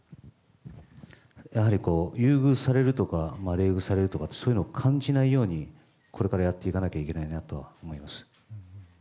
やはり、優遇されるとか冷遇されるとかそういうのは感じないようにこれからやっていかなきゃいけないなとは思います。